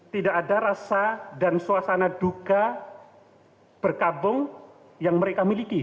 tidak ada rasa dan suasana duka berkabung yang mereka miliki